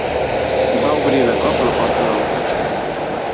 Va obrir de cop la porta del cotxe.